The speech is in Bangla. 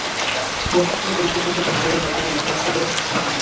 গল্প শুনে চরিত্র সম্পর্কে ভালো লাগার কারণে কাজটি করার সিদ্ধান্ত নিই।